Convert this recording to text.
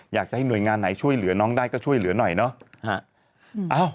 อยากจะให้หน่วยงานไหนช่วยเหลือน้องได้ก็ช่วยเหลือหน่อยเนาะ